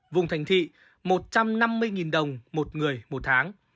vùng thành thị một trăm năm mươi đồng một người một tháng